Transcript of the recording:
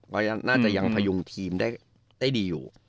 ว่าน่าจะยังพยุงทีมได้ดีอยู่